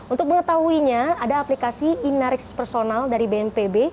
untuk mengetahuinya ada aplikasi inariks personal dari bnpb